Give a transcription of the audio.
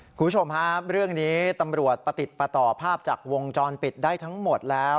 คุณผู้ชมครับเรื่องนี้ตำรวจประติดประต่อภาพจากวงจรปิดได้ทั้งหมดแล้ว